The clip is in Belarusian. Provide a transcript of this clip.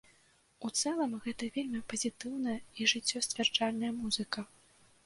У цэлым, гэта вельмі пазітыўная і жыццесцвярджальная музыка.